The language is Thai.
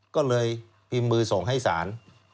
ก็เลยพิมพ์มือส่งให้ศาล